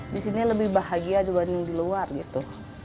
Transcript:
di sini lebih bahagia dibanding di luar gitu